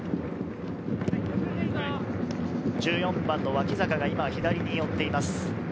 １４番の脇坂が左に寄っています。